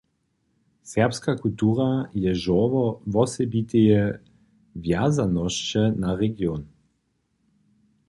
Serbska kultura je žórło wosebiteje wjazanosće na region.